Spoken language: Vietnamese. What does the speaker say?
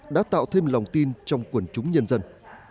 đã tạo thêm lòng tin trong quần chúng nhân dân